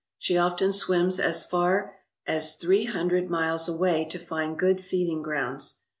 She often swims as far as three hundred miles away to find good feeding grounds.